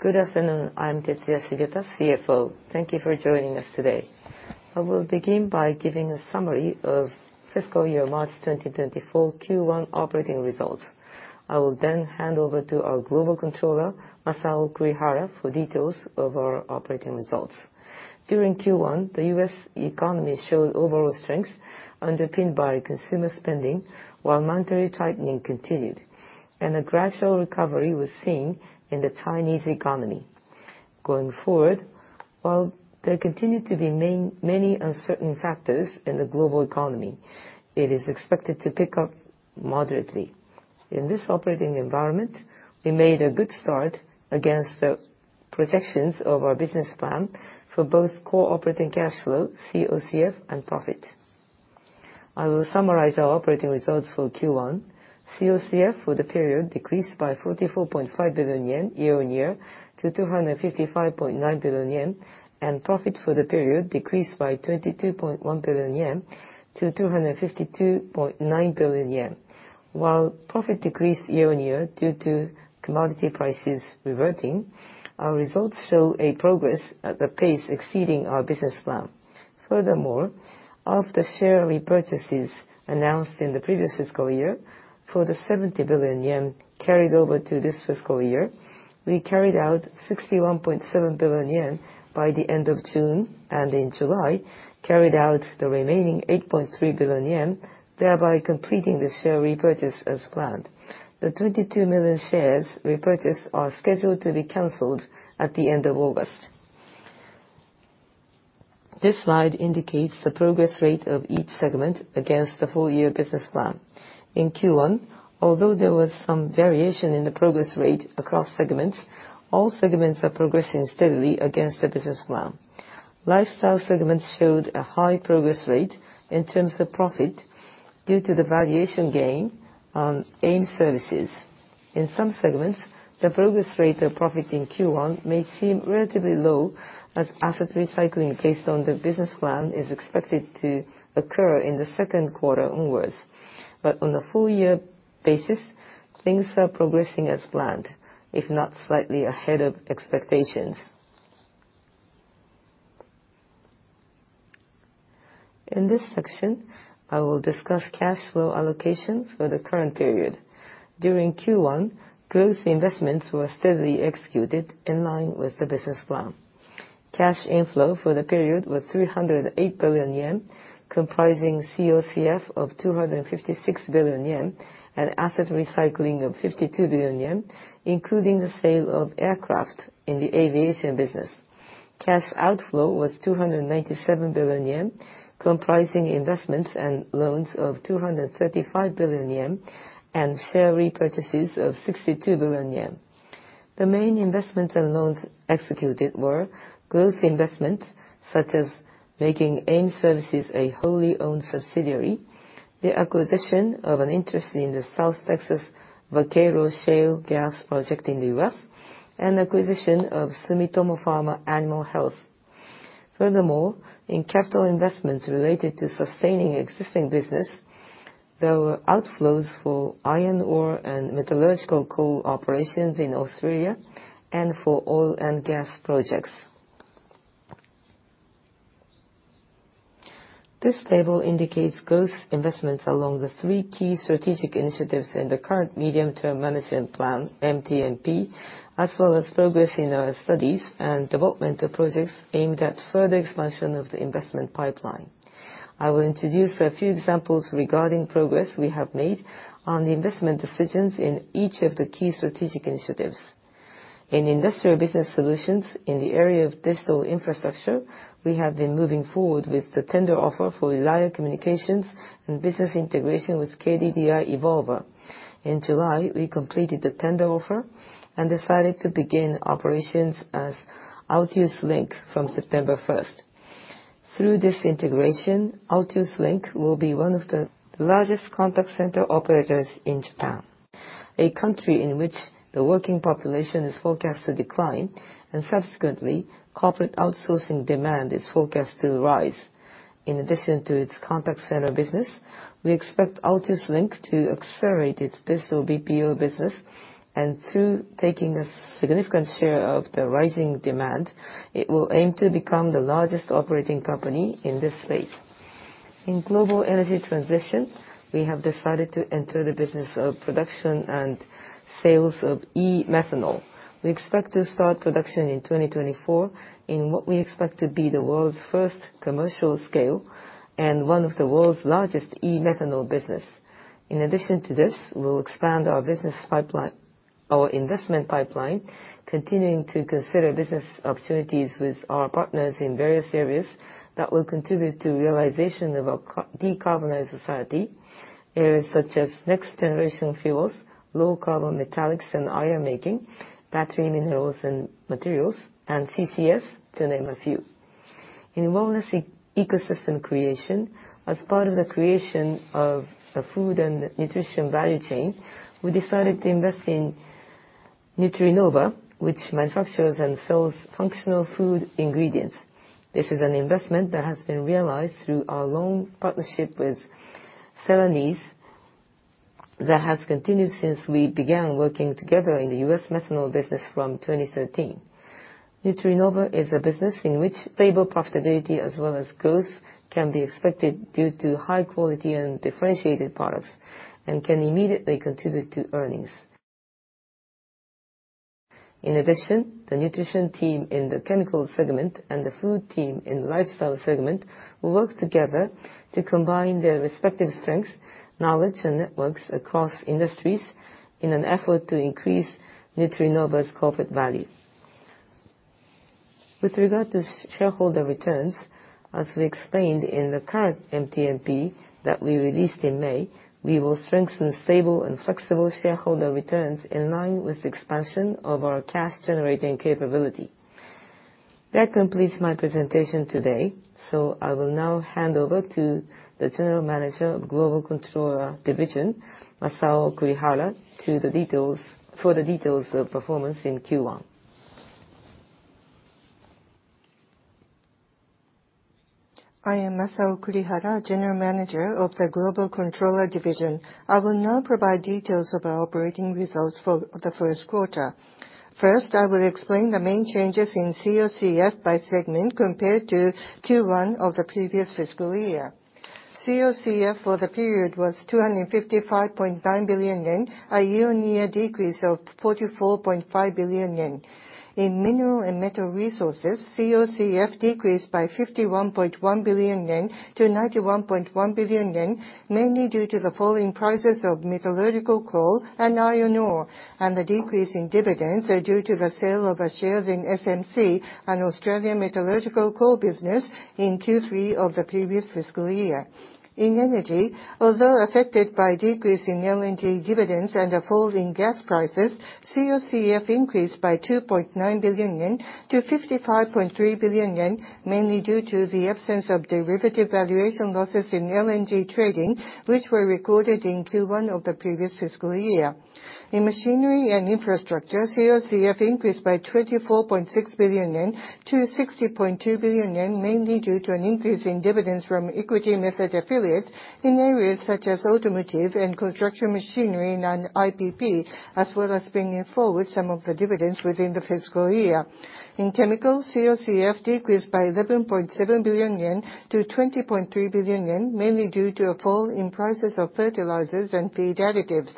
Good afternoon, I'm Tetsuya Shigeta, CFO. Thank you for joining us today. I will begin by giving a summary of fiscal year March 2024 Q1 operating results. I will then hand over to our Global Controller, Masao Kurihara, for details of our operating results. During Q1, the U.S. economy showed overall strength underpinned by consumer spending, while monetary tightening continued, and a gradual recovery was seen in the Chinese economy. Going forward, while there continue to be many, many uncertain factors in the global economy, it is expected to pick up moderately. In this operating environment, we made a good start against the projections of our business plan for both core operating cash flow, COCF, and profit. I will summarize our operating results for Q1. COCF for the period decreased by 44.5 billion yen year-on-year to 255.9 billion yen, and profit for the period decreased by 22.1 billion-252.9 billion yen. While profit decreased year-on-year due to commodity prices reverting, our results show a progress at the pace exceeding our business plan. Furthermore, of the share repurchases announced in the previous fiscal year, for the 70 billion yen carried over to this fiscal year, we carried out 61.7 billion yen by the end of June, and in July, carried out the remaining 8.3 billion yen, thereby completing the share repurchase as planned. The 22 million shares repurchased are scheduled to be canceled at the end of August. This slide indicates the progress rate of each segment against the full-year business plan. In Q1, although there was some variation in the progress rate across segments, all segments are progressing steadily against the business plan. Lifestyle segment showed a high progress rate in terms of profit due to the valuation gain on Aim Services. In some segments, the progress rate of profit in Q1 may seem relatively low, as asset recycling based on the business plan is expected to occur in the second quarter onwards. On a full-year basis, things are progressing as planned, if not slightly ahead of expectations. In this section, I will discuss cash flow allocation for the current period. During Q1, growth investments were steadily executed in line with the business plan. Cash inflow for the period was 308 billion yen, comprising COCF of 256 billion yen and asset recycling of 52 billion yen, including the sale of aircraft in the aviation business. Cash outflow was 297 billion yen, comprising investments and loans of 235 billion yen and share repurchases of 62 billion yen. The main investments and loans executed were growth investments, such as making AIM Services a wholly owned subsidiary, the acquisition of an interest in the South Texas Vaquero shale gas project in the US, and acquisition of Sumitomo Pharma Animal Health. Furthermore, in capital investments related to sustaining existing business, there were outflows for iron ore and metallurgical coal operations in Australia and for oil and gas projects. This table indicates growth investments along the three key strategic initiatives in the current medium-term management plan, MTMP, as well as progress in our studies and developmental projects aimed at further expansion of the investment pipeline. I will introduce a few examples regarding progress we have made on the investment decisions in each of the key strategic initiatives. In industrial business solutions, in the area of digital infrastructure, we have been moving forward with the tender offer for Relia and business integration with KDDI Evolva. In July, we completed the tender offer and decided to begin operations as Altius Link from September 1st. Through this integration, Altius Link will be one of the largest contact center operators in Japan, a country in which the working population is forecast to decline and subsequently, corporate outsourcing demand is forecast to rise. In addition to its contact center business, we expect Altius Link to accelerate its digital BPO business, and through taking a significant share of the rising demand, it will aim to become the largest operating company in this space. In global energy transition, we have decided to enter the business of production and sales of e-methanol. We expect to start production in 2024, in what we expect to be the world's first commercial scale and one of the world's largest e-methanol business. In addition to this, we'll expand our business pipeline, or investment pipeline, continuing to consider business opportunities with our partners in various areas that will contribute to realization of a co- decarbonized society, areas such as next-generation fuels, low-carbon metallics and iron making, battery minerals and materials, and CCS, to name a few. In wellness ecosystem creation, as part of the creation of the food and nutrition value chain, we decided to invest in Nutrinova, which manufactures and sells functional food ingredients. This is an investment that has been realized through our long partnership with Celanese.... that has continued since we began working together in the U.S. methanol business from 2013. Nutrinova is a business in which stable profitability as well as growth can be expected due to high quality and differentiated products, and can immediately contribute to earnings. In addition, the nutrition team in the Chemicals segment and the food team in the Lifestyle segment will work together to combine their respective strengths, knowledge, and networks across industries in an effort to increase Nutrinova's corporate value. With regard to shareholder returns, as we explained in the current MTMP that we released in May, we will strengthen stable and flexible shareholder returns in line with the expansion of our cash-generating capability. That completes my presentation today, so I will now hand over to the General Manager of Global Controller Division, Masao Kurihara, for the details of performance in Q1. I am Masao Kurihara, General Manager of the Global Controller Division. I will now provide details of our operating results for the first quarter. First, I will explain the main changes in COCF by segment compared to Q1 of the previous fiscal year. COCF for the period was 255.9 billion yen, a year-on-year decrease of 44.5 billion yen. In Mineral and Metal Resources, COCF decreased by 51.1 billion-91.1 billion yen, mainly due to the falling prices of metallurgical coal and iron ore, the decrease in dividends are due to the sale of our shares in SMC, an Australian metallurgical coal business, in Q3 of the previous fiscal year. In Energy, although affected by a decrease in LNG dividends and a fall in gas prices, COCF increased by 2.9 billion-55.3 billion yen, mainly due to the absence of derivative valuation losses in LNG trading, which were recorded in Q1 of the previous fiscal year. In Machinery & Infrastructure, COCF increased by 24.6 billion-60.2 billion yen, mainly due to an increase in dividends from equity method affiliates in areas such as automotive and construction machinery and IPP, as well as bringing forward some of the dividends within the fiscal year. In Chemicals, COCF decreased by 11.7 billion-20.3 billion yen, mainly due to a fall in prices of fertilizers and feed additives.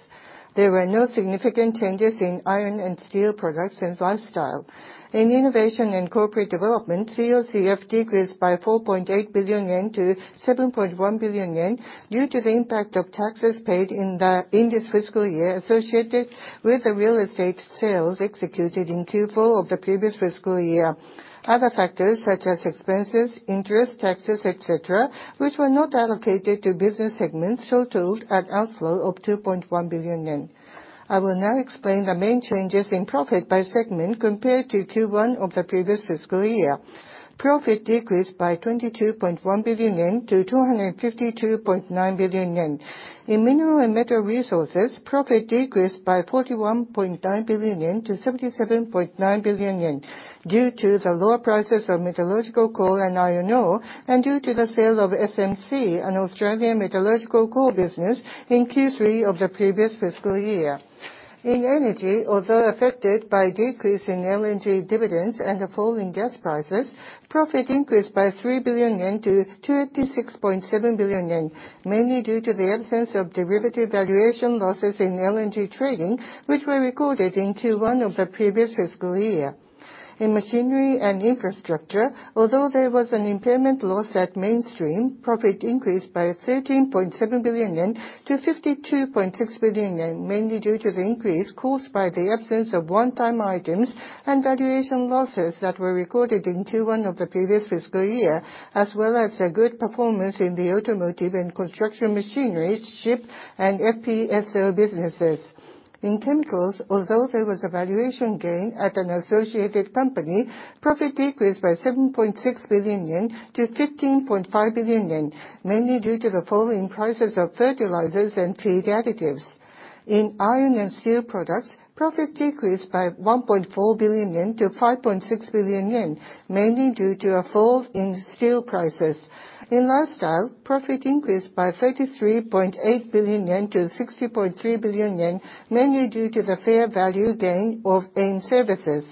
There were no significant changes in Iron & Steel Products and Lifestyle. In Innovation & Corporate Development, COCF decreased by 4.8 billion-7.1 billion yen due to the impact of taxes paid in this fiscal year associated with the real estate sales executed in Q4 of the previous fiscal year. Other factors such as expenses, interest, taxes, et cetera, which were not allocated to business segments, totaled an outflow of 2.1 billion yen. I will now explain the main changes in profit by segment compared to Q1 of the previous fiscal year. Profit decreased by 22.1 billion-252.9 billion yen. In Mineral & Metal Resources, profit decreased by 41.9 billion-77.9 billion yen, due to the lower prices of metallurgical coal and iron ore, and due to the sale of SMC, an Australian metallurgical coal business, in Q3 of the previous fiscal year. In Energy, although affected by a decrease in LNG dividends and a fall in gas prices, profit increased by 3 billion-286.7 billion yen, mainly due to the absence of derivative valuation losses in LNG trading, which were recorded in Q1 of the previous fiscal year. In Machinery & Infrastructure, although there was an impairment loss at Mainstream, profit increased by 13.7 billion-52.6 billion yen, mainly due to the increase caused by the absence of one-time items and valuation losses that were recorded in Q1 of the previous fiscal year, as well as a good performance in the automotive and construction machinery, ship, and FPSO businesses. In Chemicals, although there was a valuation gain at an associated company, profit decreased by 7.6 billion-15.5 billion yen, mainly due to the falling prices of fertilizers and feed additives. In Iron & Steel Products, profit decreased by 1.4 billion-5.6 billion yen, mainly due to a fall in steel prices. In Lifestyle, profit increased by 33.8 billion-60.3 billion yen, mainly due to the fair value gain of Aim Services.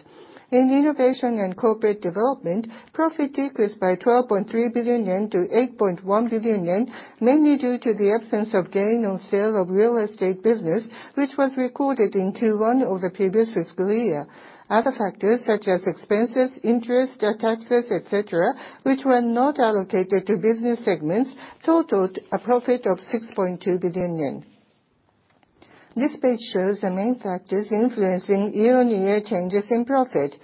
In Innovation & Corporate Development, profit decreased by 12.3 billion-8.1 billion yen, mainly due to the absence of gain on sale of real estate business, which was recorded in Q1 of the previous fiscal year. Other factors such as expenses, interest, taxes, et cetera, which were not allocated to business segments, totaled a profit of 6.2 billion yen. This page shows the main factors influencing year-on-year changes in profit.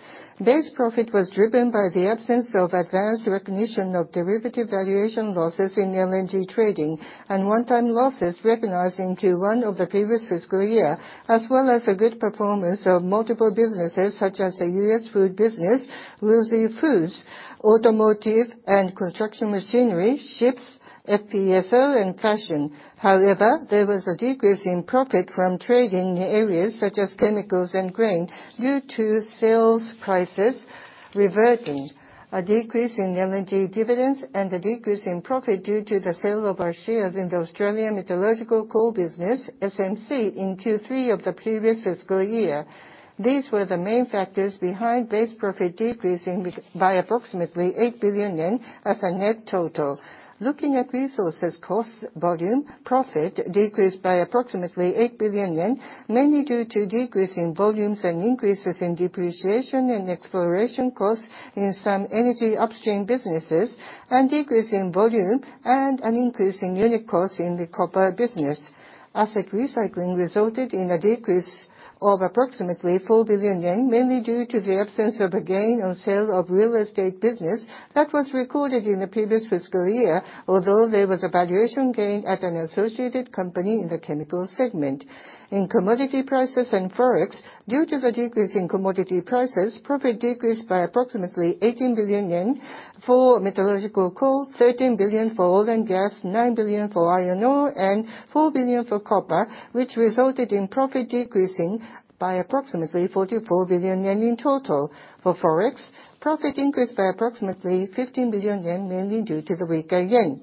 Base profit was driven by the absence of advanced recognition of derivative valuation losses in LNG trading and one-time losses recognized in Q1 of the previous fiscal year, as well as a good performance of multiple businesses such as the US food business, Ventura Foods, automotive and construction machinery, ships, FPSO, and fashion. However, there was a decrease in profit from trading in areas such as Chemicals and grain due to sales prices reverting, a decrease in LNG dividends and a decrease in profit due to the sale of our shares in the Australian Metallurgical Coal business, SMC, in Q3 of the previous fiscal year. These were the main factors behind base profit decreasing by approximately 8 billion yen as a net total. Looking at resources, costs, volume, profit decreased by approximately 8 billion yen, mainly due to decrease in volumes and increases in depreciation and exploration costs in some energy upstream businesses, and decrease in volume and an increase in unit costs in the copper business. Asset recycling resulted in a decrease of approximately 4 billion yen, mainly due to the absence of a gain on sale of real estate business that was recorded in the previous fiscal year, although there was a valuation gain at an associated company in the chemical segment. In commodity prices and Forex, due to the decrease in commodity prices, profit decreased by approximately 18 billion yen for metallurgical coal, 13 billion for oil and gas, 9 billion for iron ore, and 4 billion for copper, which resulted in profit decreasing by approximately 44 billion yen in total. For Forex, profit increased by approximately 15 billion yen, mainly due to the weaker yen.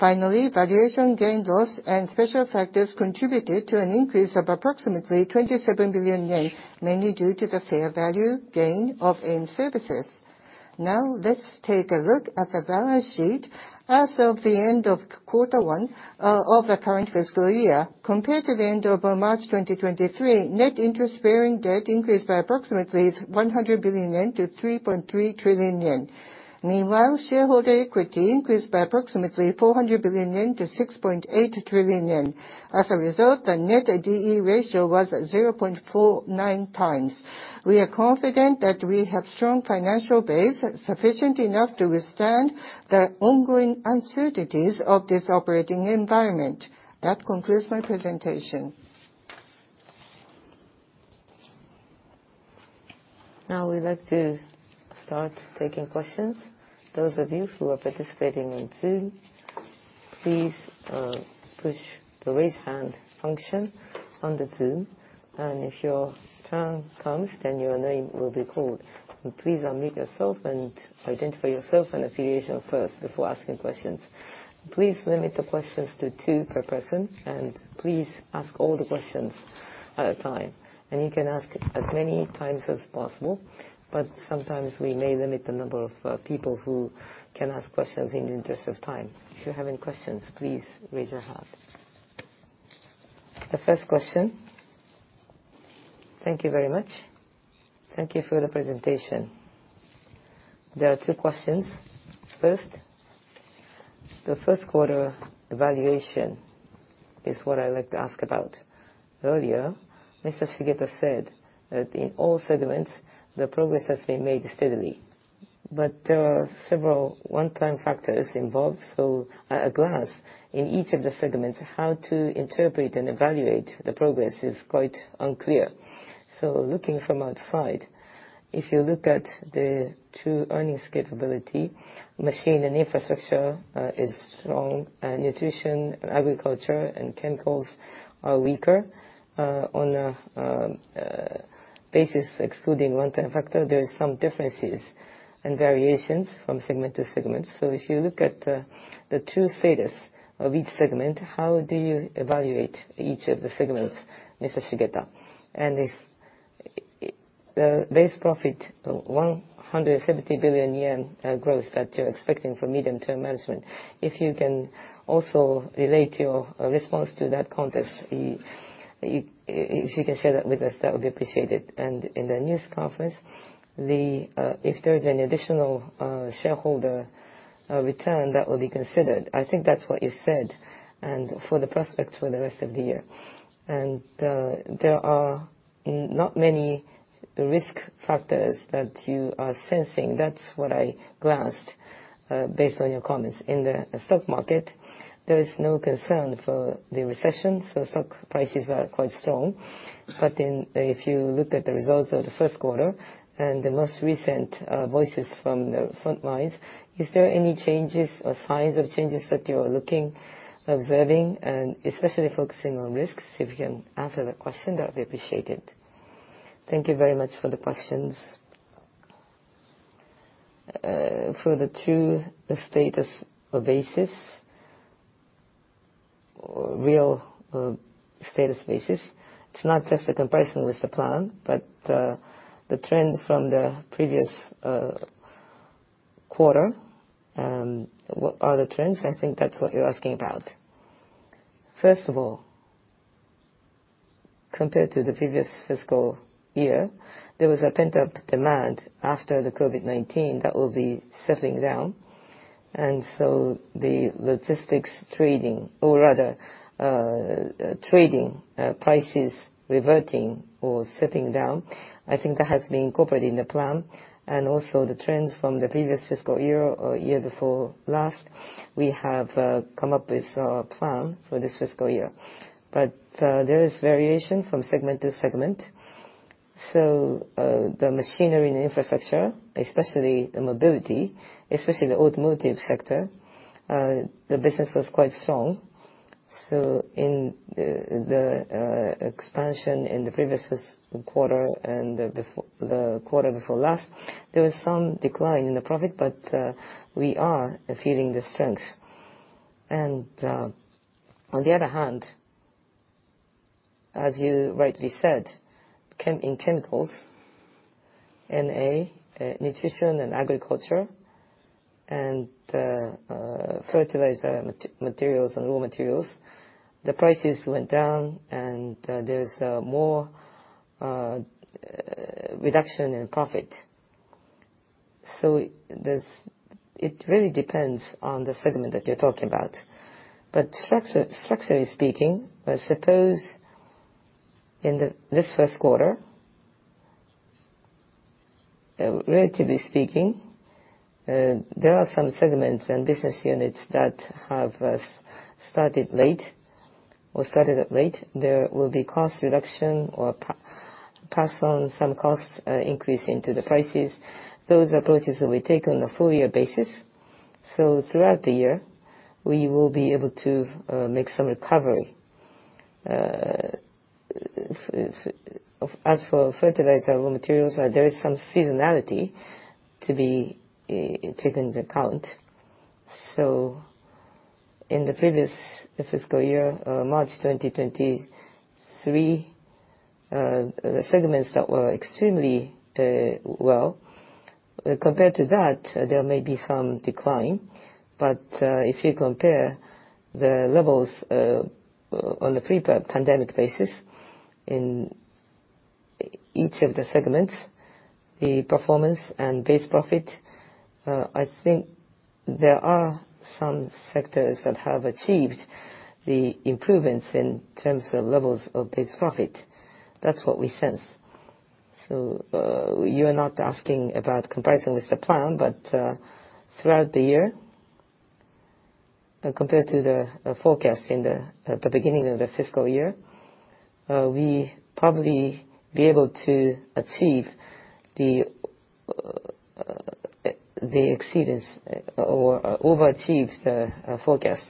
Finally, valuation gain loss and special factors contributed to an increase of approximately 27 billion yen, mainly due to the fair value gain of Aim services. Let's take a look at the balance sheet. As of the end of quarter one of the current fiscal year, compared to the end of March 2023, net interest-bearing debt increased by approximately 100 billion yen to 3.3 trillion yen. Meanwhile, shareholder equity increased by approximately 400 billion yen to 6.8 trillion yen. As a result, the net D/E ratio was 0.49x. We are confident that we have strong financial base, sufficient enough to withstand the ongoing uncertainties of this operating environment. That concludes my presentation. Now we'd like to start taking questions. Those of you who are participating on Zoom, please, push the Raise Hand function on the Zoom, and if your turn comes, then your name will be called. Please unmute yourself and identify yourself and affiliation first before asking questions. Please limit the questions to two per person, and please ask all the questions at a time. You can ask as many times as possible, but sometimes we may limit the number of people who can ask questions in the interest of time. If you have any questions, please raise your hand. The first question? Thank you very much. Thank you for the presentation. There are two questions. First, the first quarter evaluation is what I'd like to ask about. Earlier, Mr. Shigeta said that in all segments, the progress has been made steadily, but there are several one-time factors involved. At a glance, in each of the segments, how to interpret and evaluate the progress is quite unclear. Looking from outside, if you look at the true earnings capability, Machinery & Infrastructure is strong, and Nutrition & Agriculture, and Chemicals are weaker. On a basis excluding one-time factor, there are some differences and variations from segment to segment. If you look at the true status of each segment, how do you evaluate each of the segments, Mr. Shigeta? If the base profit, 170 billion yen growth that you're expecting for medium-term management, if you can also relate your response to that context, if you, if you can share that with us, that would be appreciated. In the news conference, the, if there is any additional, shareholder, return, that will be considered. I think that's what you said. For the prospects for the rest of the year, there are not many risk factors that you are sensing. That's what I glanced, based on your comments. In the stock market, there is no concern for the recession, so stock prices are quite strong. If you look at the results of the first quarter and the most recent, voices from the front lines, is there any changes or signs of changes that you are looking, observing, and especially focusing on risks? If you can answer that question, that would be appreciated. Thank you very much for the questions. For the true status basis, real, status basis, it's not just a comparison with the plan, but, the trend from the previous quarter, and what are the trends? I think that's what you're asking about. First of all, compared to the previous fiscal year, there was a pent-up demand after the COVID-19 that will be settling down. So the logistics trading, or rather, trading, prices reverting or settling down, I think that has been incorporated in the plan. Also the trends from the previous fiscal year or year before last, we have, come up with a plan for this fiscal year. There is variation from segment to segment. The Machinery and Infrastructure, especially the mobility, especially the automotive sector, the business was quite strong. ...in the expansion in the previous quarter and the quarter before last, there was some decline in the profit, but we are feeling the strength. On the other hand, as you rightly said, in Chemicals, NA, Nutrition & Agriculture, and fertilizer materials and raw materials, the prices went down, and there's more reduction in profit. It really depends on the segment that you're talking about. Structurally speaking, I suppose in this first quarter, relatively speaking, there are some segments and business units that have started late or started up late. There will be cost reduction or pass on some costs increase into the prices. Those approaches will be taken on a full-year basis. Throughout the year, we will be able to make some recovery. As for fertilizer, raw materials, there is some seasonality to be taken into account. In the previous fiscal year, March 2023, the segments that were extremely well, compared to that, there may be some decline. If you compare the levels on the pandemic basis in each of the segments, the performance and base profit, I think there are some sectors that have achieved the improvements in terms of levels of base profit. That's what we sense. You are not asking about comparison with the plan, but throughout the year, and compared to the forecast in the at the beginning of the fiscal year, we probably be able to achieve the exceedance or overachieve the forecast.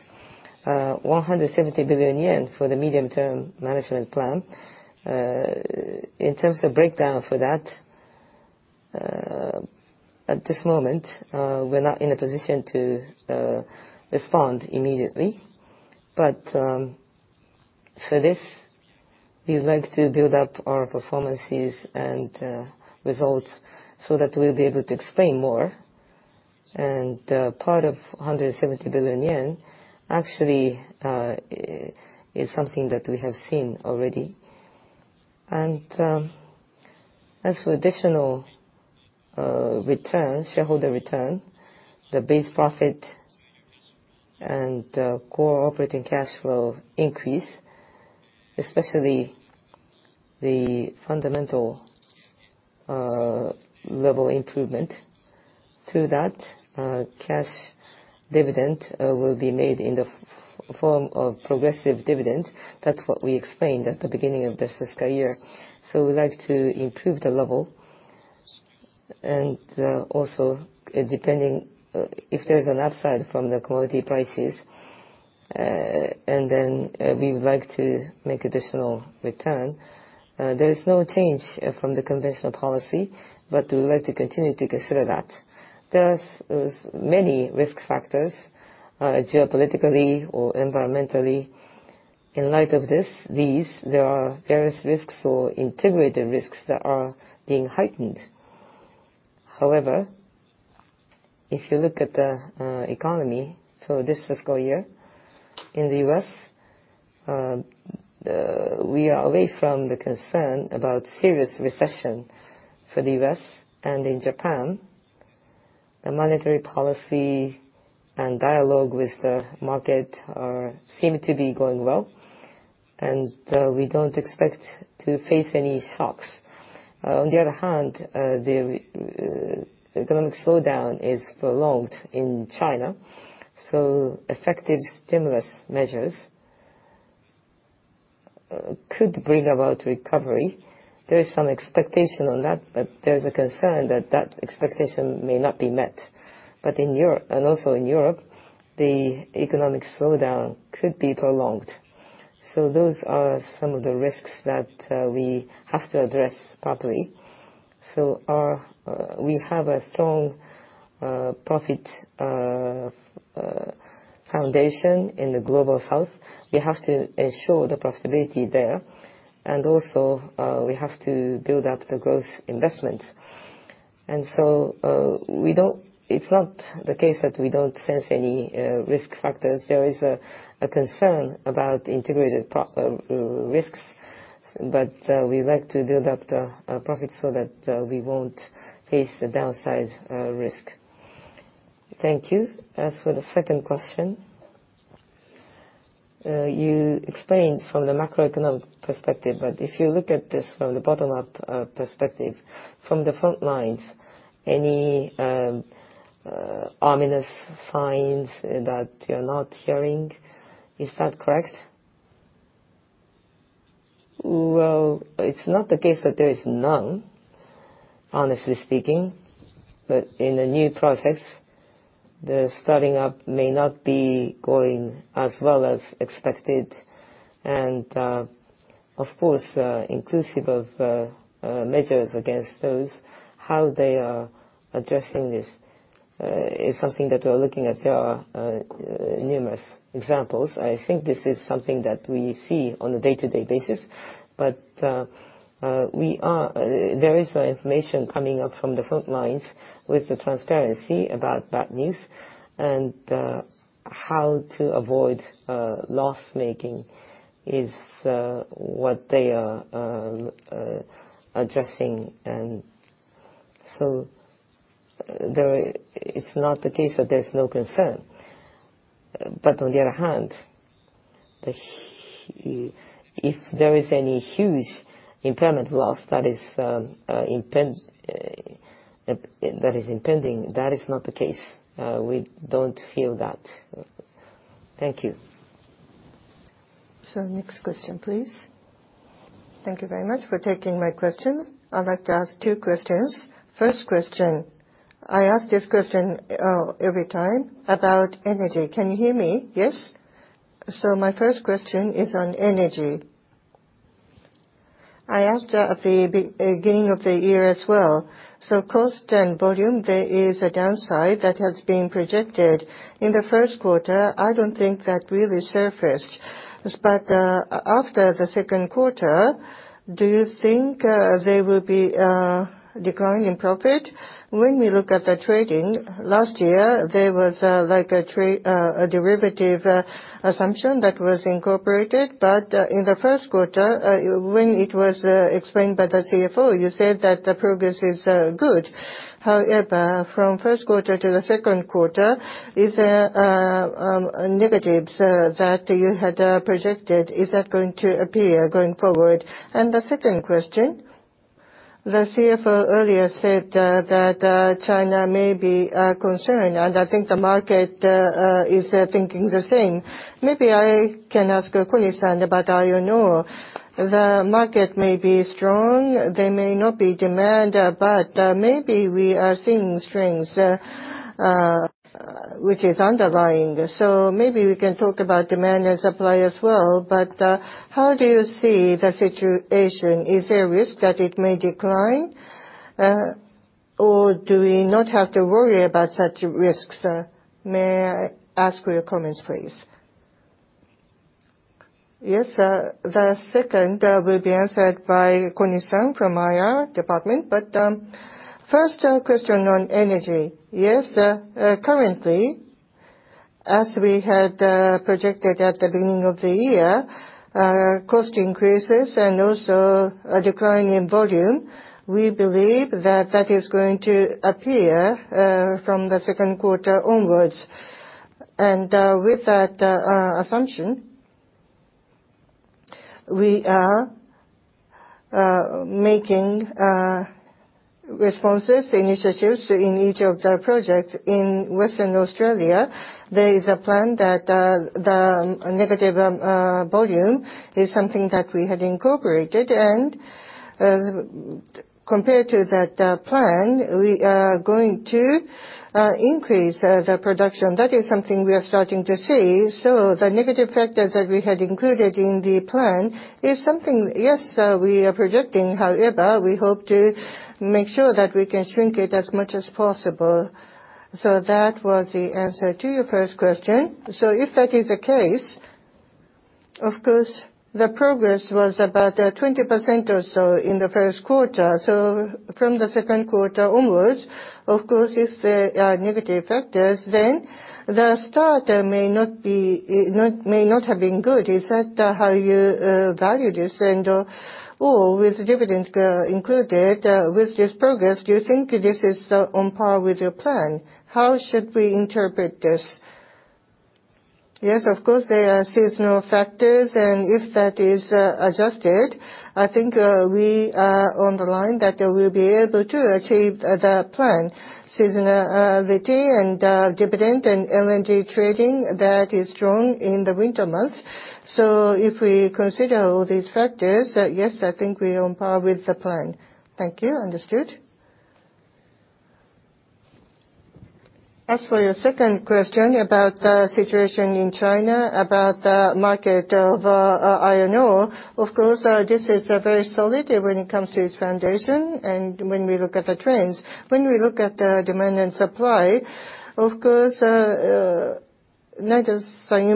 170 billion yen for the medium-term management plan. In terms of breakdown for that, at this moment, we're not in a position to respond immediately. For this, we would like to build up our performances and results so that we'll be able to explain more. Part of 170 billion yen actually is something that we have seen already. As for additional return, shareholder return, the base profit and core operating cash flow increase, especially the fundamental level improvement. Through that, cash dividend will be made in the form of progressive dividend. That's what we explained at the beginning of this fiscal year. We'd like to improve the level, and also, depending, if there's an upside from the commodity prices, and then, we would like to make additional return. There is no change from the conventional policy, we would like to continue to consider that. There's many risk factors, geopolitically or environmentally. In light of this, there are various risks or integrated risks that are being heightened. If you look at the economy, this fiscal year, in the U.S., we are away from the concern about serious recession for the U.S. In Japan, the monetary policy and dialogue with the market are, seem to be going well, and we don't expect to face any shocks. On the other hand, the economic slowdown is prolonged in China, so effective stimulus measures could bring about recovery. There is some expectation on that, but there's a concern that that expectation may not be met. In Europe, and also in Europe, the economic slowdown could be prolonged. Those are some of the risks that we have to address properly. We have a strong profit foundation in the Global South. We have to ensure the profitability there, and also, we have to build up the growth investment. It's not the case that we don't sense any risk factors. There is a concern about integrated risks, we like to build up the profit so that we won't face a downside risk. Thank you. As for the second question, you explained from the macroeconomic perspective, if you look at this from the bottom-up perspective, from the front lines, any ominous signs that you're not hearing, is that correct? Well, it's not the case that there is none, honestly speaking, in the new process, the starting up may not be going as well as expected. Of course, inclusive of measures against those, how they are addressing this is something that we're looking at. There are numerous examples. I think this is something that we see on a day-to-day basis, but, there is information coming up from the front lines with the transparency about bad news, and, how to avoid loss-making is what they are addressing. So it's not the case that there's no concern. On the other hand, if there is any huge impairment loss that is impend, that is impending, that is not the case. We don't feel that. Thank you. Next question, please. Thank you very much for taking my question. I'd like to ask two questions. First question, I ask this question every time about Energy. Can you hear me? Yes? My first question is on Energy. I asked at the beginning of the year as well, cost and volume, there is a downside that has been projected. In the first quarter, I don't think that really surfaced. After the second quarter, do you think there will be decline in profit? When we look at the trading, last year, there was, like, a trade, a derivative, assumption that was incorporated. In the first quarter, when it was explained by the CFO, you said that the progress is good. However, from first quarter to the second quarter, is there a negative that you had projected? Is that going to appear going forward? The second question, the CFO earlier said that China may be concerned, and I think the market is thinking the same. Maybe I can ask Kuni-san about, you know, the market may be strong, there may not be demand, but maybe we are seeing strengths which is underlying. Maybe we can talk about demand and supply as well. How do you see the situation? Is there a risk that it may decline, or do we not have to worry about such risks? May I ask for your comments, please? Yes, the second will be answered by Kuni-san from IR department. First question on energy. Yes, currently, as we had projected at the beginning of the year, cost increases and also a decline in volume, we believe that that is going to appear from the second quarter onwards. With that assumption, we are making responses, initiatives in each of the projects. In Western Australia, there is a plan that the negative volume is something that we had incorporated. Compared to that plan, we are going to increase the production. That is something we are starting to see. The negative factors that we had included in the plan is something, yes, we are projecting. However, we hope to make sure that we can shrink it as much as possible. That was the answer to your first question. If that is the case, of course, the progress was about 20% or so in the first quarter. From the second quarter onwards, of course, if there are negative factors, then the start may not be, may not have been good. Is that how you value this? Or with dividend included with this progress, do you think this is on par with your plan? How should we interpret this? Yes, of course, there are seasonal factors, and if that is adjusted, I think we are on the line that we'll be able to achieve the plan. Seasonality and dividend and LNG trading, that is strong in the winter months. If we consider all these factors, then yes, I think we are on par with the plan. Thank you. Understood. As for your second question about the situation in China, about the market of iron ore, of course, this is very solid when it comes to its foundation and when we look at the trends. When we look at the demand and supply, of course, you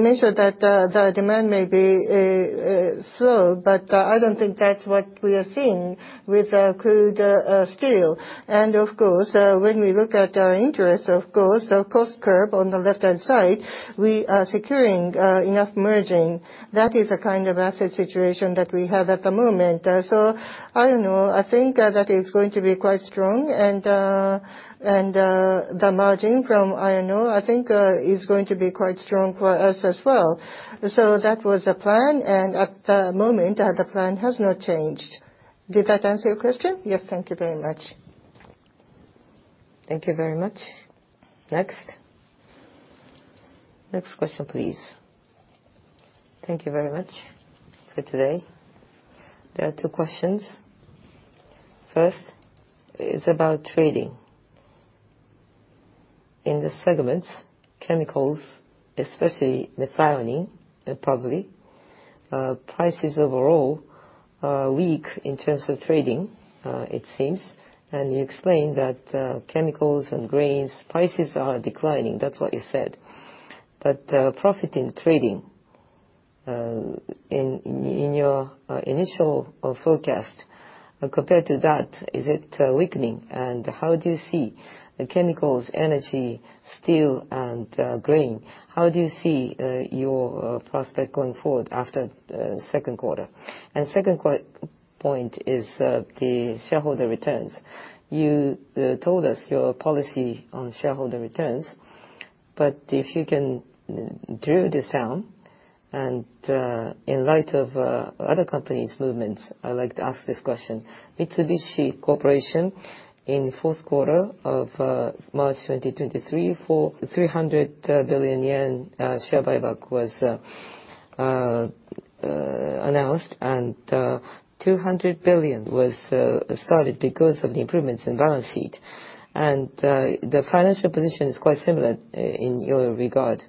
mentioned that the demand may be slow, but I don't think that's what we are seeing with crude steel. Of course, when we look at our interest, of course, our cost curve on the left-hand side, we are securing enough margin. That is the kind of asset situation that we have at the moment. I don't know. I think that is going to be quite strong, and and the margin from iron ore, I think, is going to be quite strong for us as well. That was the plan, and at the moment, the plan has not changed. Did that answer your question? Yes, thank you very much. Thank you very much. Next? Next question, please. Thank you very much for today. There are 2 questions. First is about trading. In the segments, Chemicals, especially methionine, and probably prices overall are weak in terms of trading, it seems, and you explained that Chemicals and Grains, prices are declining. That's what you said. Profit in trading, in your initial forecast, compared to that, is it weakening? How do you see the Chemicals, Energy, Steel, and Grain, how do you see your prospect going forward after 2Q? Second point is the shareholder returns. You told us your policy on shareholder returns, but if you can drill this down, and in light of other companies' movements, I'd like to ask this question. Mitsubishi Corporation, in the fourth quarter of March 2023, for 300 billion yen share buyback was announced, and 200 billion was started because of the improvements in balance sheet. The financial position is quite similar in your regard.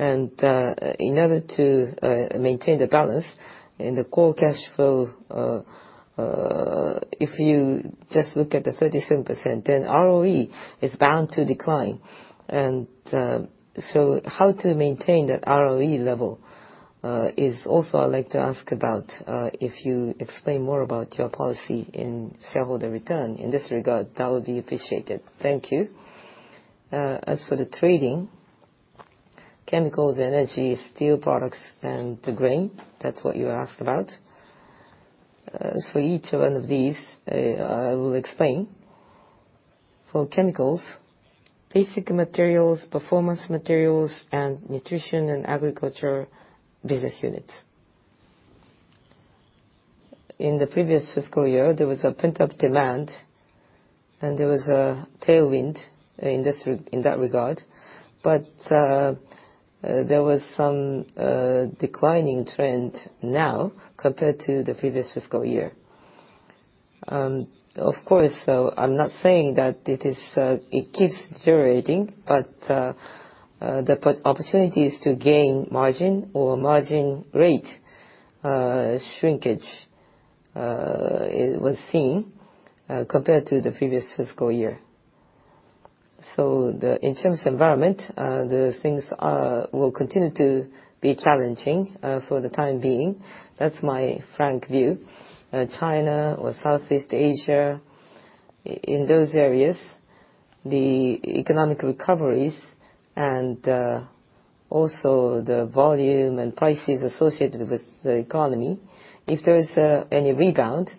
In order to maintain the balance in the core cash flow, if you just look at the 37%, then ROE is bound to decline. How to maintain that ROE level is also I'd like to ask about, if you explain more about your policy in shareholder return in this regard, that would be appreciated. Thank you. As for the trading, Chemicals, Energy, Iron & Steel Products, and the grain, that's what you asked about. For each one of these, I will explain. For Chemicals, basic materials, performance materials, and Nutrition & Agriculture business units. In the previous fiscal year, there was a pent-up demand, and there was a tailwind in this, in that regard, but there was some declining trend now compared to the previous fiscal year. Of course, so I'm not saying that it is, it keeps deteriorating, but the opportunities to gain margin or margin rate shrinkage, it was seen compared to the previous fiscal year. In terms of environment, the things will continue to be challenging for the time being. That's my frank view. China or Southeast Asia, in those areas, the economic recoveries and also the volume and prices associated with the economy, if there is any rebound,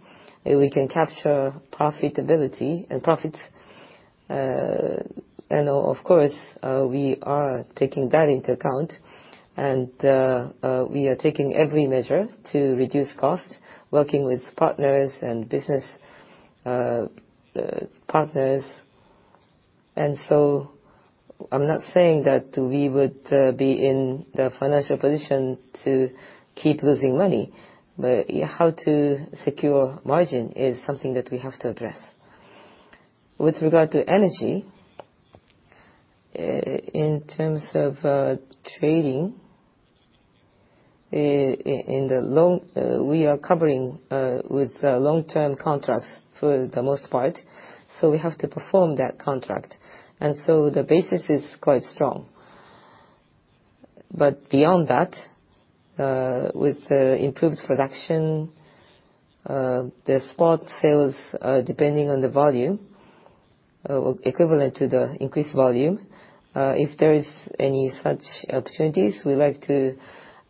we can capture profitability and profits. Of course, we are taking that into account, we are taking every measure to reduce cost, working with partners and business partners. I'm not saying that we would be in the financial position to keep losing money, but how to secure margin is something that we have to address. With regard to energy, in terms of trading, in the long, we are covering with long-term contracts for the most part, so we have to perform that contract, and so the basis is quite strong. Beyond that, with improved production, the spot sales, depending on the volume, equivalent to the increased volume, if there is any such opportunities, we like to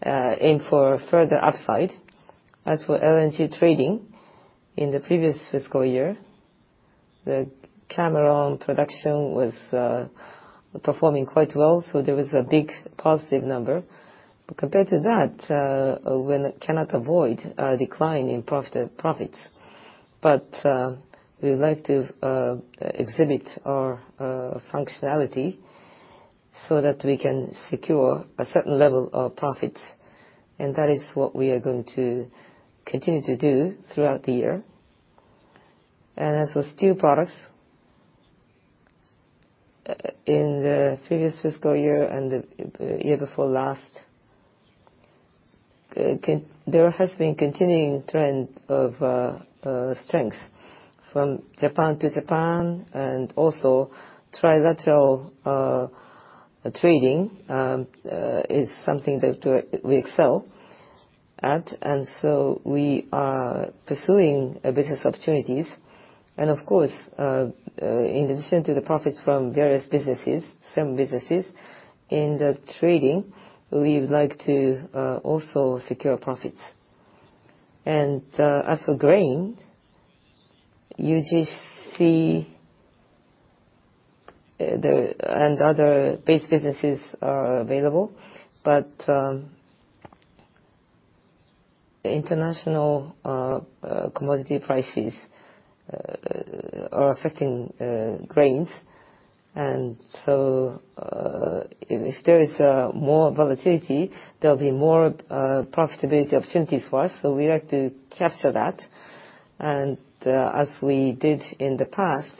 aim for further upside. As for LNG trading, in the previous fiscal year, the Cameron production was performing quite well, so there was a big positive number. Compared to that, we cannot avoid a decline in profit, profits. We would like to exhibit our functionality so that we can secure a certain level of profits, and that is what we are going to continue to do throughout the year. As for steel products, in the previous fiscal year and the year before last, there has been continuing trend of strength from Japan to Japan, and also trilateral trading is something that we excel at, and so we are pursuing business opportunities. Of course, in addition to the profits from various businesses, some businesses, in the trading, we would like to also secure profits. As for grain, UGC, and other base businesses are available, but the international commodity prices are affecting grains. If there is more volatility, there'll be more profitability opportunities for us, so we like to capture that. As we did in the past,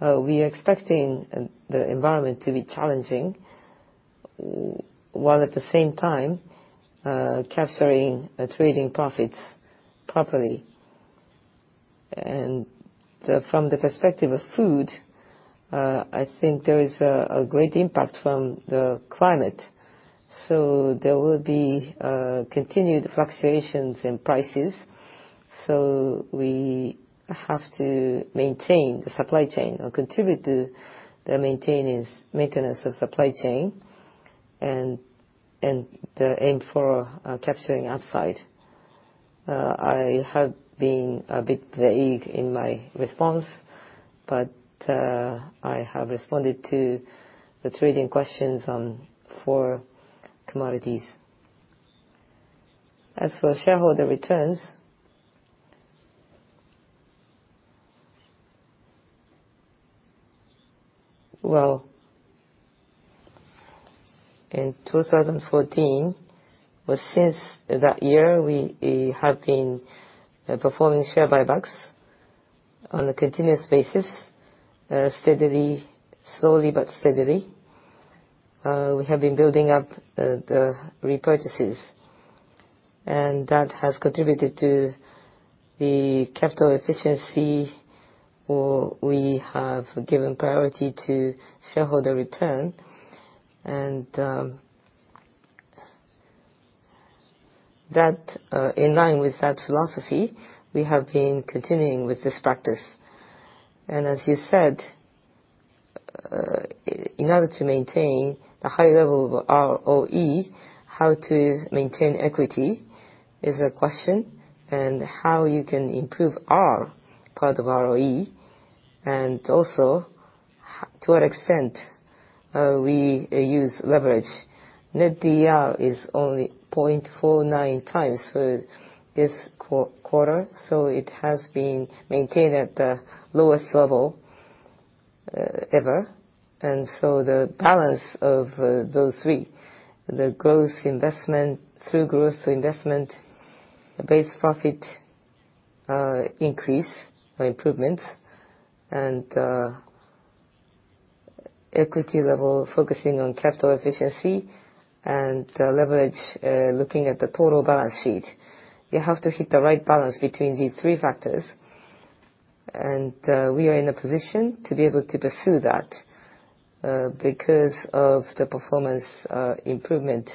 we are expecting the environment to be challenging, while at the same time, capturing trading profits properly. From the perspective of food, I think there is a great impact from the climate. There will be continued fluctuations in prices, so we have to maintain the supply chain or contribute to the maintenance of supply chain, aim for capturing upside. I have been a bit vague in my response, but, I have responded to the trading questions on for commodities. As for shareholder returns, well, in 2014, well, since that year, we have been performing share buybacks on a continuous basis, steadily, slowly but steadily. We have been building up the repurchases, and that has contributed to the capital efficiency, or we have given priority to shareholder return. That, in line with that philosophy, we have been continuing with this practice. As you said, in order to maintain a high level of ROE, how to maintain equity is a question, and how you can improve part of ROE, and also, to what extent, we use leverage. Net DER is only 0.49 times for this quarter, so it has been maintained at the lowest level ever. The balance of those 3, the growth investment through growth investment, base profit increase or improvements, and equity level, focusing on capital efficiency and leverage, looking at the total balance sheet, you have to hit the right balance between these 3 factors, and we are in a position to be able to pursue that because of the performance improvement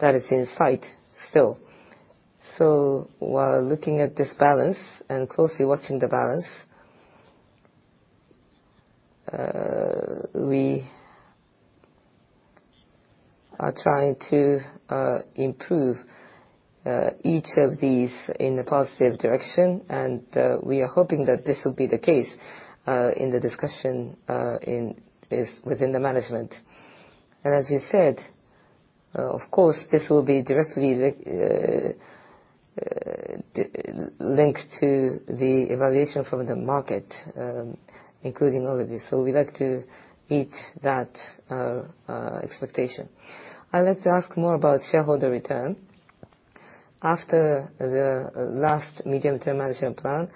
that is in sight still. While looking at this balance, and closely watching the balance, we are trying to improve each of these in a positive direction, and we are hoping that this will be the case in the discussion is within the management. As you said, of course, this will be directly linked to the evaluation from the market, including all of this, so we'd like to meet that expectation. I'd like to ask more about shareholder return. After the last medium-term management plan,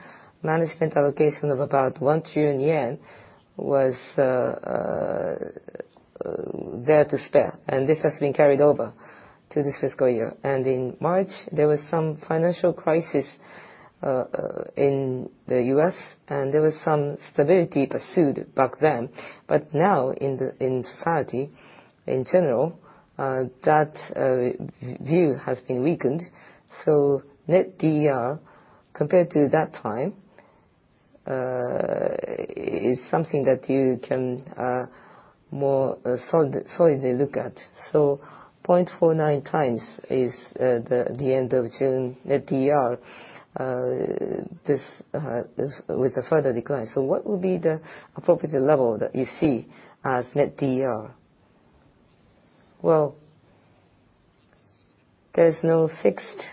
management allocation of about 1 trillion yen was there to spare, and this has been carried over to this fiscal year. In March, there was some financial crisis in the U.S., and there was some stability pursued back then. Now, in society in general, that view has been weakened, so Net DER, compared to that time, is something that you can more solidly look at. 0.49 times is the end of June Net DER, with a further decline. What would be the appropriate level that you see as Net DER? Well, there's no fixed,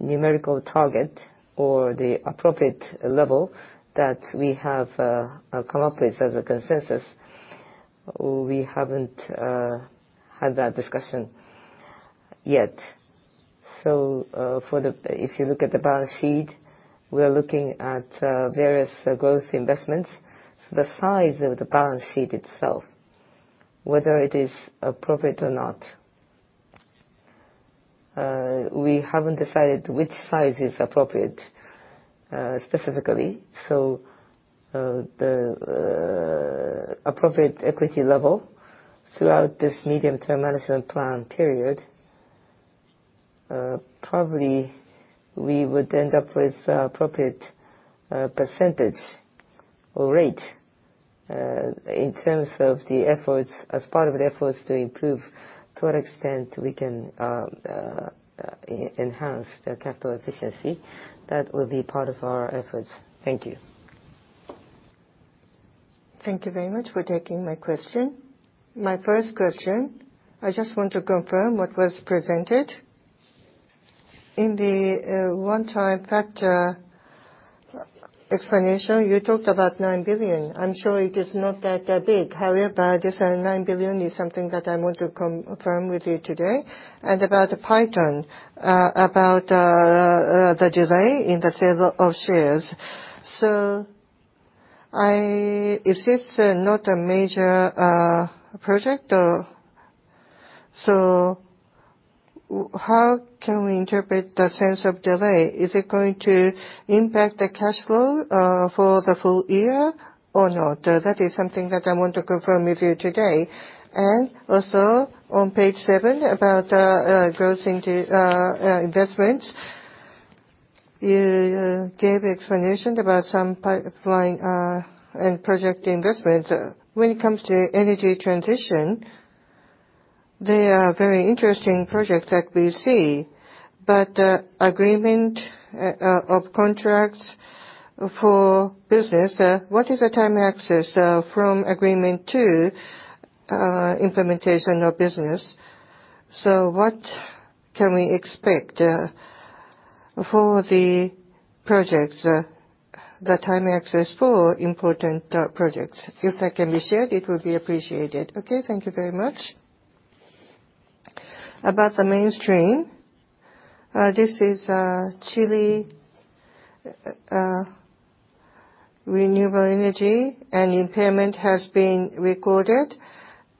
numerical target or the appropriate level that we have, come up with as a consensus. We haven't had that discussion yet. If you look at the balance sheet, we are looking at various growth investments. The size of the balance sheet itself, whether it is appropriate or not, we haven't decided which size is appropriate specifically. The appropriate equity level throughout this medium-term management plan period, probably we would end up with a appropriate percentage or rate in terms of the efforts, as part of the efforts to improve, to what extent we can enhance the capital efficiency. That will be part of our efforts. Thank you. Thank you very much for taking my question. My first question, I just want to confirm what was presented. In the one-time factor explanation, you talked about 9 billion. I'm sure it is not that big, however, this 9 billion is something that I want to confirm with you today. About the Python, about the delay in the sale of shares. If this is not a major project, how can we interpret the sense of delay? Is it going to impact the cash flow for the full-year or not? That is something that I want to confirm with you today. Also, on page seven, about growth into investments, you gave explanation about some pipeline and project investments. When it comes to energy transition, they are very interesting projects that we see. The agreement of contracts for business, what is the time access from agreement to implementation of business? What can we expect for the projects, the time access for important projects? If that can be shared, it would be appreciated. Okay, thank you very much. About Mainstream, this is Chile renewable energy. Impairment has been recorded.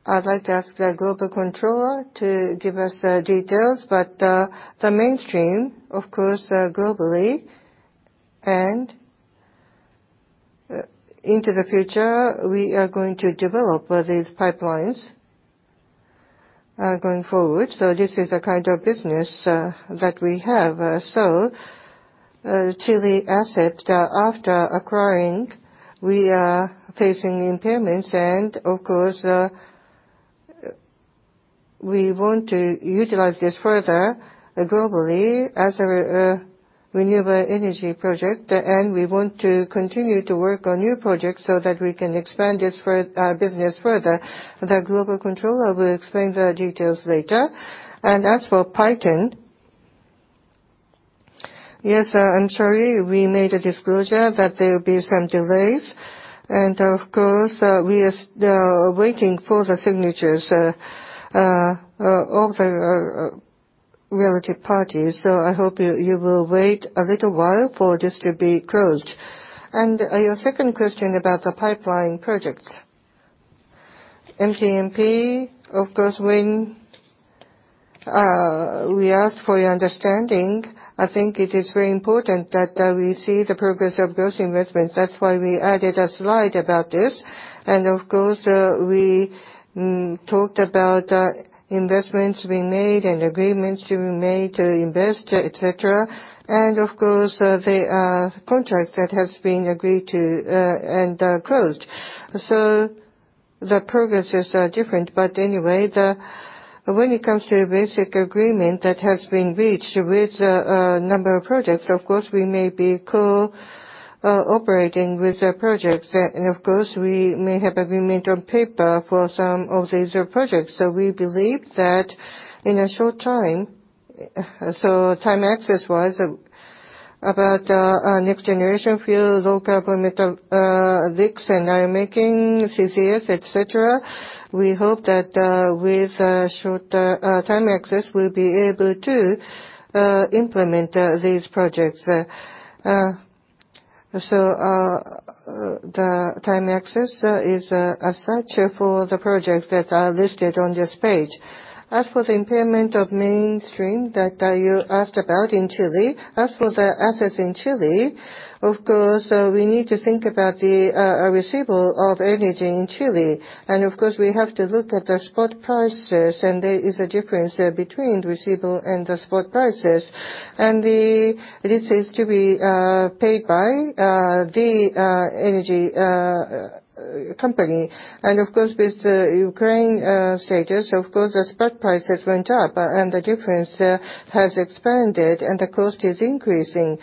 I'd like to ask the Global Controller to give us details. Mainstream, of course, globally. Into the future, we are going to develop these pipelines going forward. This is the kind of business that we have. So, Chile asset, after acquiring, we are facing impairments, and of course, we want to utilize this further globally as a renewable energy project. We want to continue to work on new projects so that we can expand this business further. The global controller will explain the details later. As for Python... Yes, I'm sorry, we made a disclosure that there will be some delays, and of course, we are waiting for the signatures of the relative parties. I hope you will wait a little while for this to be closed. Your second question about the pipeline projects. MTMP, of course, when we ask for your understanding, I think it is very important that we see the progress of those investments. That's why we added a slide about this. We talked about the investments we made and agreements to be made to invest, et cetera. The contract that has been agreed to and closed. The progresses are different, but anyway, when it comes to a basic agreement that has been reached with a number of projects, of course, we may be co-operating with the projects. We may have agreement on paper for some of these projects. We believe that in a short time, so time access-wise, about our next generation fuel, low-carbon metallics, and ironmaking CCS, et cetera, we hope that with short time access, we'll be able to implement these projects. The time access is as such for the projects that are listed on this page. As for the impairment of Mainstream that you asked about in Chile, as for the assets in Chile, of course, we need to think about the receivable of energy in Chile. Of course, we have to look at the spot prices, and there is a difference between receivable and the spot prices. This is to be paid by the energy company. Of course, with the Ukraine status, of course, the spot prices went up, and the difference has expanded, and the cost is increasing.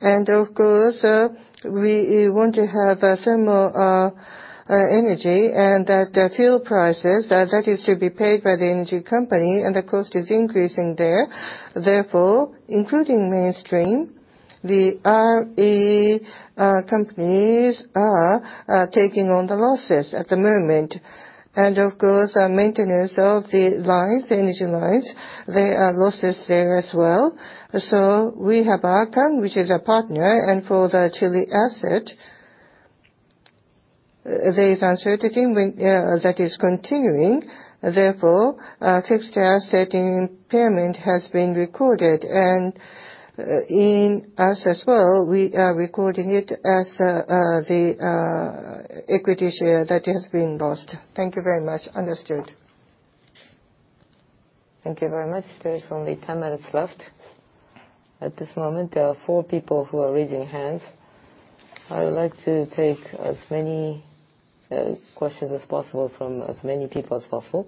Of course, we want to have thermal energy, and that the fuel prices that is to be paid by the energy company, and the cost is increasing there. Therefore, including Mainstream, the RE companies are taking on the losses at the moment. Of course, our maintenance of the lines, the energy lines, there are losses there as well. We have Arca, which is a partner, and for the Chile asset, there is uncertainty when. That is continuing, therefore, fixed asset impairment has been recorded. In us as well, we are recording it as the equity share that has been lost. Thank you very much. Understood. Thank you very much. There is only 10 minutes left. At this moment, there are 4 people who are raising hands. I would like to take as many questions as possible from as many people as possible....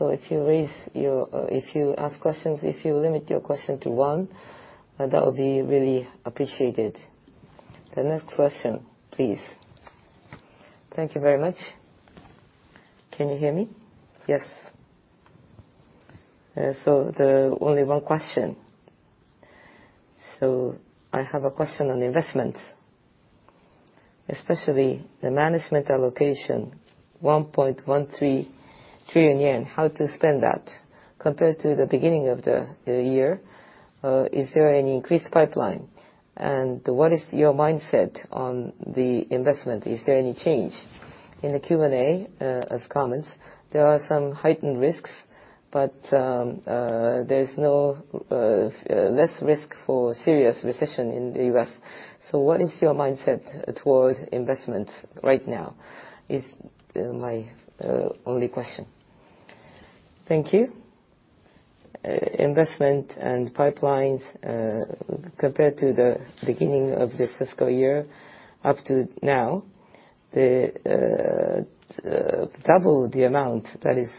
If you raise your, if you ask questions, if you limit your question to one, that would be really appreciated. The next question, please. Thank you very much. Can you hear me? Yes. The only one question. I have a question on investment, especially the management allocation, 1.13 trillion yen. How to spend that? Compared to the beginning of the year, is there any increased pipeline? What is your mindset on the investment? Is there any change? In the Q&A, as comments, there are some heightened risks, but there's no less risk for serious recession in the US. What is your mindset towards investment right now, is my only question. Thank you. Investment and pipelines, compared to the beginning of this fiscal year, up to now, the double the amount that is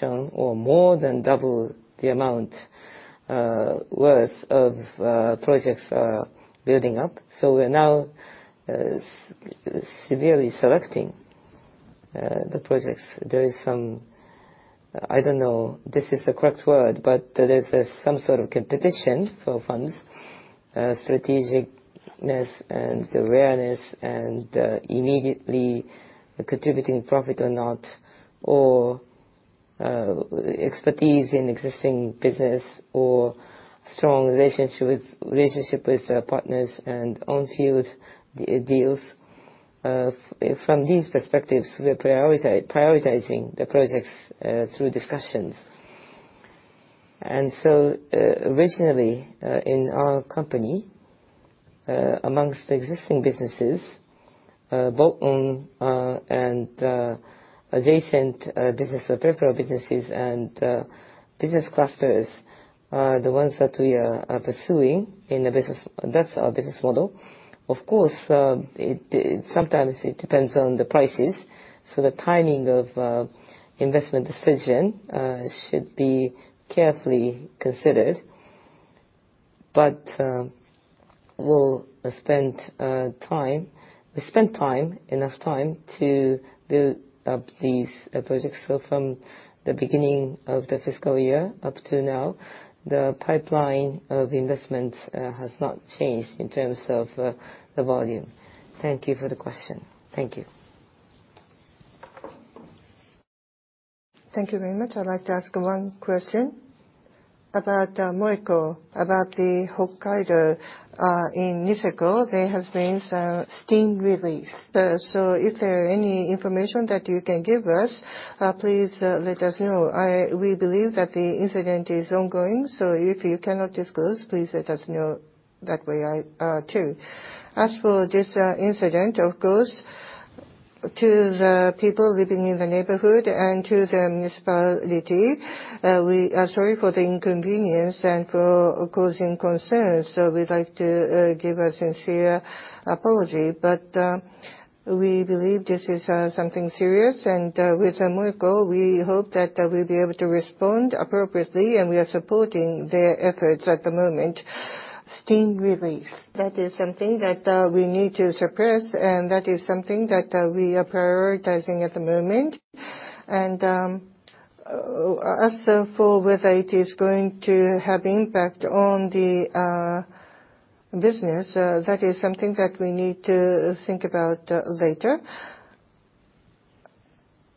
shown or more than double the amount worth of projects are building up. We're now severely selecting the projects. There is some, I don't know if this is the correct word, but there is some sort of competition for funds, strategic-ness and the awareness and immediately contributing profit or not, or expertise in existing business or strong relationship with, relationship with partners and on field deals. From these perspectives, we are prioritizing the projects through discussions. Originally, in our company, amongst the existing businesses, both on, and adjacent business or peripheral businesses and business clusters, are the ones that we are, are pursuing in the business. That's our business model. Of course, sometimes it depends on the prices, so the timing of investment decision should be carefully considered. We'll spend we spend time, enough time, to build up these projects. From the beginning of the fiscal year up to now, the pipeline of investments has not changed in terms of the volume. Thank you for the question. Thank you. Thank you very much. I'd like to ask one question about Moeco, about the Hokkaido, in Niseko. There has been some steam release. Is there any information that you can give us? Please, let us know. We believe that the incident is ongoing, so if you cannot discuss, please let us know that way, too. As for this incident, of course, to the people living in the neighborhood and to the municipality, we are sorry for the inconvenience and for causing concerns. We'd like to give a sincere apology, but, we believe this is something serious, and, with Moeco, we hope that we'll be able to respond appropriately, and we are supporting their efforts at the moment. Steam release, that is something that we need to suppress, and that is something that we are prioritizing at the moment. As for whether it is going to have impact on the business, that is something that we need to think about later.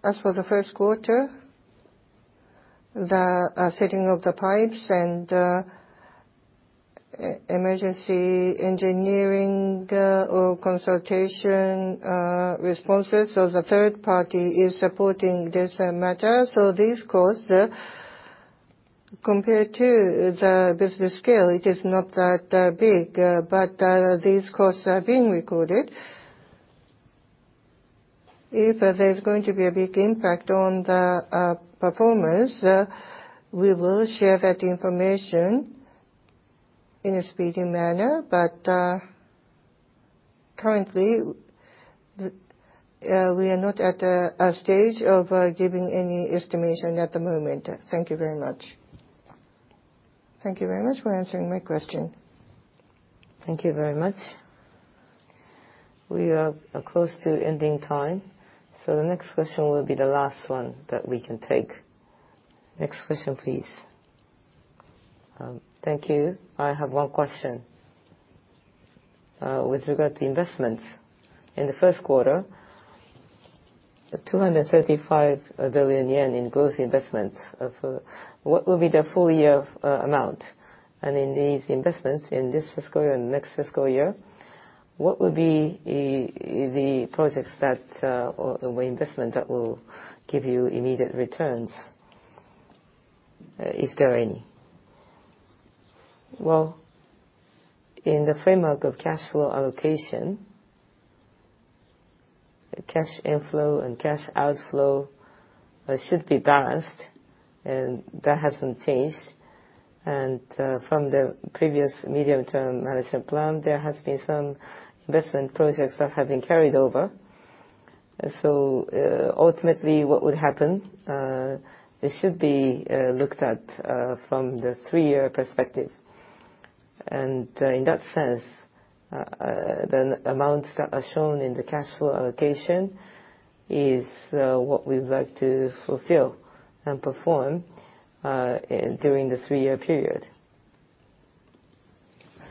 As for the first quarter, the setting of the pipes and e- emergency engineering or consultation responses, the third party is supporting this matter. This cost, compared to the business scale, it is not that big, but these costs are being recorded. If there's going to be a big impact on the performance, we will share that information in a speedy manner, but currently, we are not at a stage of giving any estimation at the moment. Thank you very much. Thank you very much for answering my question. Thank you very much. We are close to ending time, so the next question will be the last one that we can take. Next question, please. Thank you. I have one question. With regard to investments, in the first quarter, 235 billion yen in gross investments. What will be the full-year amount? In these investments, in this fiscal year and next fiscal year, what will be the, the projects that or the investment that will give you immediate returns? Is there any? Well, in the framework of cash flow allocation, cash inflow and cash outflow should be balanced, and that hasn't changed. From the previous medium-term management plan, there has been some investment projects that have been carried over. Ultimately, what would happen, this should be looked at from the three-year perspective. In that sense, the amounts that are shown in the cash flow allocation is what we would like to fulfill and perform during the three-year period.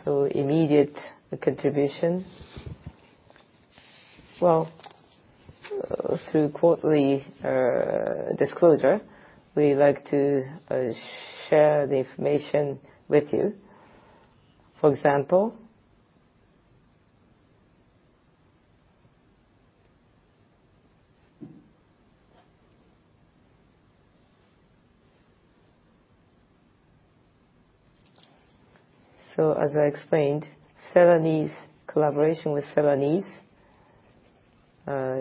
Immediate contribution, well, through quarterly disclosure, we like to share the information with you. For example. As I explained, Celanese, collaboration with Celanese,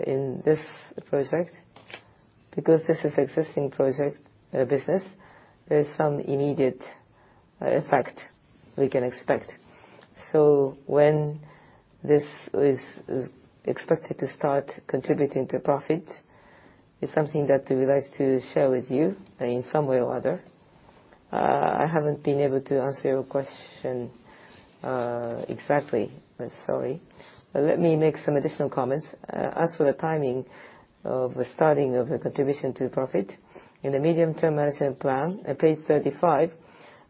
in this project, because this is existing project, business, there is some immediate effect we can expect. When this is expected to start contributing to profit is something that we would like to share with you in some way or other. I haven't been able to answer your question exactly. I'm sorry. Let me make some additional comments. As for the timing of the starting of the contribution to profit, in the Medium-Term Management Plan, at page 35,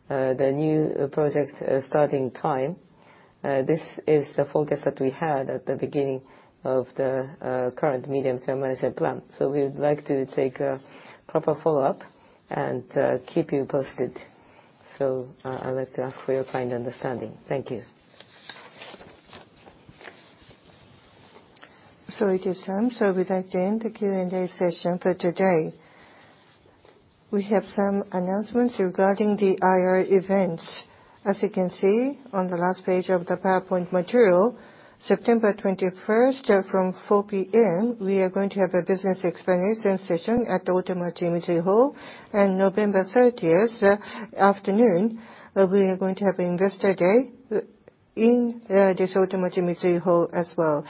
the new project starting time, this is the forecast that we had at the beginning of the current Medium-Term Management Plan. We would like to take a proper follow-up and keep you posted. I'd like to ask for your kind understanding. Thank you. It is time. We'd like to end the Q&A session for today. We have some announcements regarding the IR events. As you can see on the last page of the PowerPoint material, September 21st from 4:00 P.M., we are going to have a business explanation session at the Otemachi Mitsui Hall. November 30th, afternoon, we are going to have Investor Day in this Otemachi Mitsui Hall as well.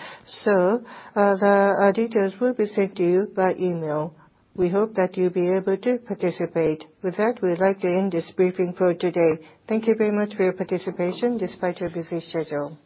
The details will be sent to you by email. We hope that you'll be able to participate. With that, we'd like to end this briefing for today. Thank you very much for your participation despite your busy schedule.